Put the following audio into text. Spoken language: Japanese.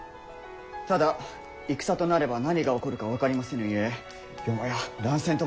ただ戦となれば何が起こるか分かりませぬゆえよもや乱戦ともなれば。